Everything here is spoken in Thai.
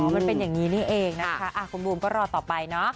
คุณบูมก็รอต่อไปนะ